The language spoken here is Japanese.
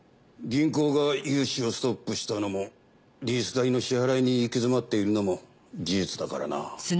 銀行が融資をストップしたのもリース代の支払いに行き詰っているのも事実だからな。